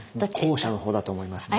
後者の方だと思いますね。